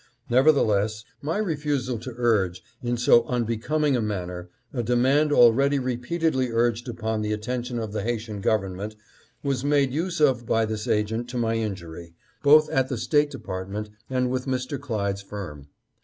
Nevertheless, my refusal to urge in so unbecoming a manner a demand already repeatedly urged upon the attention of the Haitian Government was made use of by this agent to my injury, both at the State Department and with Mr. Clyde's firm.